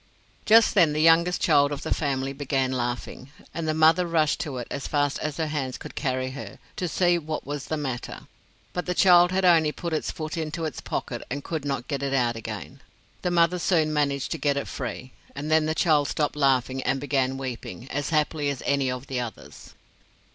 Just then the youngest child of the family began laughing, and the mother rushed to it as fast as her hands could carry her, to see what was the matter. But the child had only put its foot into its pocket and could not get it out again. The mother soon managed to get it free, and then the child stopped laughing and began weeping as happily as any of the others.